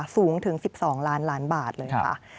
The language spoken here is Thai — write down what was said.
สูงถึง๑๒ล้านล้านบาทเลยค่ะ